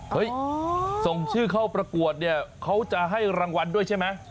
ส่งชื่อเข้าประกวดเนี่ยเขาจะให้รางวัลด้วยใช่ไหม